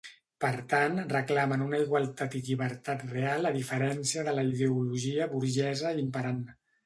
Per tant reclamen una igualtat i llibertat real a diferència de la ideologia burgesa imperant.